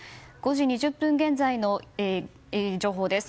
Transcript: ５時２０分現在の情報です。